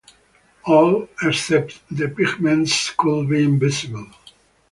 All except the pigments — I could be invisible!